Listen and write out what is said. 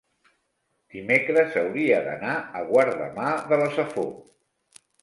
Dimecres hauria d'anar a Guardamar de la Safor.